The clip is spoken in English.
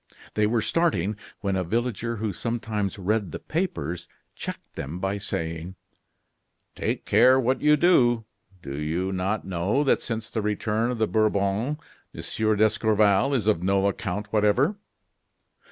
They were starting, when a villager who sometimes read the papers, checked them by saying: "Take care what you do. Do you not know that since the return of the Bourbons Monsieur d'Escorval is of no account whatever?